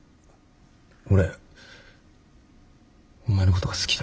俺お前のことが好きだ。